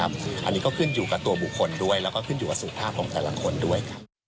อันนี้ก็ขึ้นอยู่กับตัวบุคคลด้วยแล้วก็ขึ้นอยู่กับสุขภาพของแต่ละคนด้วย